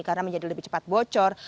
karena menjadi lebih cepat bocor